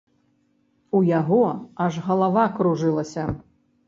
У яго аж галава кружылася.